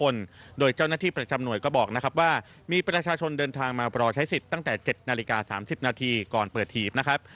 ๓๐นาทีก่อนเปิดหีบนะครับ